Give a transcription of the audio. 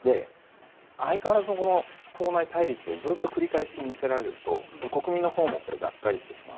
相変わらず、党内対立をずっと繰り返し見せられると国民のほうもがっかりしてしまう。